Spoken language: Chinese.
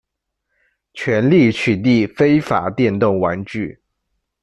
全力取缔非法电动玩具